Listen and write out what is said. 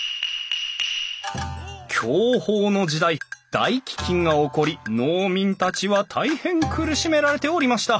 享保の時代大飢饉が起こり農民たちは大変苦しめられておりました。